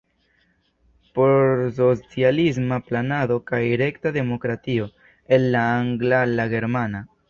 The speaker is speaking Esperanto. Por socialisma planado kaj rekta demokratio" el la angla al la germana.